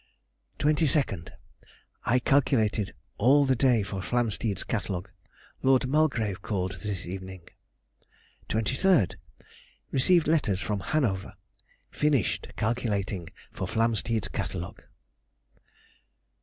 22nd.—I calculated all the day for Flamsteed's Catalogue. Lord Mulgrave called this evening..... 23rd.—Received letters from Hanover. Finished calculating for Flamsteed's Catalogue.